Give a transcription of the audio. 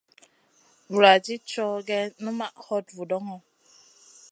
Vuladid cow gèh numaʼ hot vudoŋo.